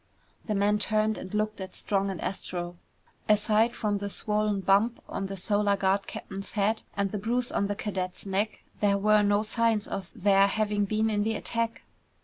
The man turned and looked at Strong and Astro. Aside from the swollen bump on the Solar Guard captain's head and the bruise on the cadet's neck there were no signs of their having been in the attack.